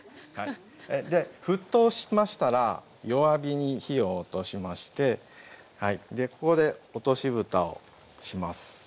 沸騰しましたら弱火に火を落としましてここで落としぶたをします。